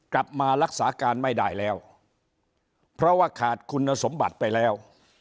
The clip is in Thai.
กลับมารักษาการไม่ได้แล้วเพราะว่าขาดคุณสมบัติไปแล้ว